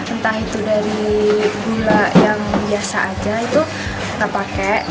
entah itu dari gula yang biasa aja itu kita pakai